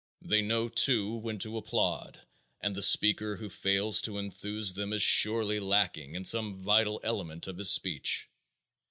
They know, too, when to applaud, and the speaker who fails to enthuse them is surely lacking in some vital element of his speech.